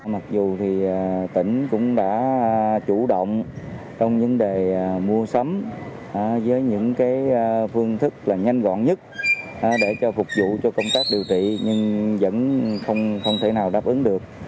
mặc dù thì tỉnh cũng đã chủ động trong vấn đề mua sắm với những phương thức là nhanh gọn nhất để phục vụ cho công tác điều trị nhưng vẫn không thể nào đáp ứng được